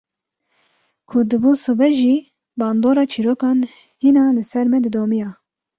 Ku dibû sibe jî bandora çîrokan hîna li ser me didomiya.